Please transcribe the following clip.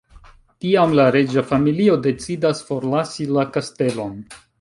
Tiam la reĝa familio decidas forlasi la kastelon...